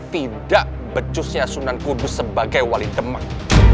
tidak becusnya sunan kudus sebagai wali demak